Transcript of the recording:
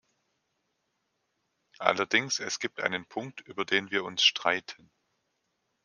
Allerdings, es gibt einen Punkt, über den wir uns streiten.